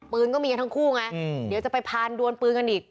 ก็มีกันทั้งคู่ไงเดี๋ยวจะไปพานดวนปืนกันอีก